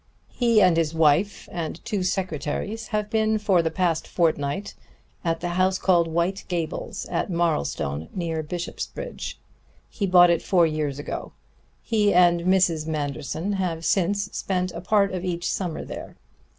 "He and his wife and two secretaries have been for the past fortnight at the house called White Gables, at Marlstone, near Bishopsbridge. He bought it four years ago. He and Mrs. Manderson have since spent a part of each summer there.